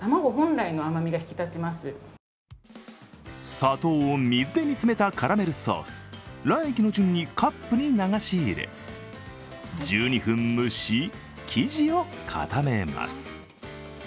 砂糖を水で煮詰めたカラメルソース、卵液の順にカップに流し入れ１２分蒸し、生地を固めます。